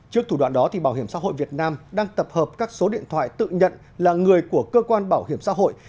trước thủ đoạn đó bảo hiểm xã hội việt nam đang tập hợp các số điện thoại tự nhận là người của cơ quan bảo hiểm xã hội